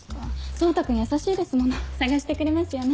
蒼汰君優しいですもの探してくれますよね？